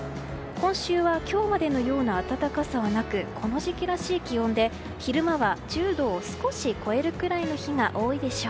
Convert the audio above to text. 今週は今日までのような暖かさはなくこの時期らしい気温で昼間は１０度を少し超えるくらいの日が多いでしょう。